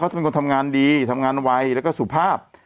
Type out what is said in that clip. เป็นคนทำงานดีทำงานไวแล้วก็สุภาพ